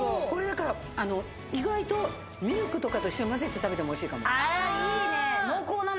これ、意外とミルクとかと一緒に混ぜて食べても、おいしいかも。